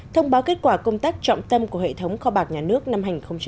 thông báo kết quả công tác trọng tâm của hệ thống kho bạc nhà nước năm hai nghìn một mươi chín